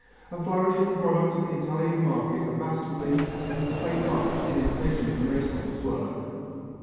A flourishing product of the Italian market are bas reliefs and clay busts in imitation of Renaissance work.